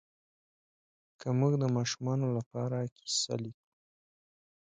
که موږ د ماشومانو لپاره کیسه لیکو